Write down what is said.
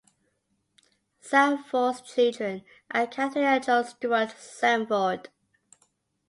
Sandford's children are Kathryn and John Stuart Sanford.